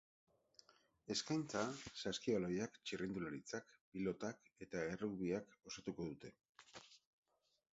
Eskaintza saskibaloiak, txirrindularitzak, pilotak eta errugbiak osatuko dute.